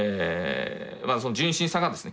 その純真さがですね